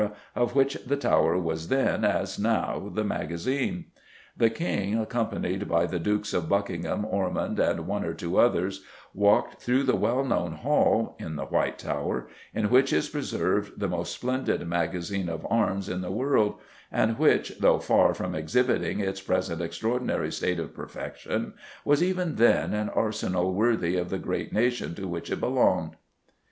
of which the Tower was then, as now, the magazine.... The King, accompanied by the Dukes of Buckingham, Ormond, and one or two others, walked through the well known hall [in the White Tower] in which is preserved the most splendid magazine of arms in the world, and which, though far from exhibiting its present extraordinary state of perfection, was even then an arsenal worthy of the great nation to which it belonged."